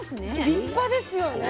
立派ですよね。